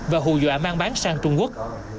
và hù dọa mang bán sang trung quốc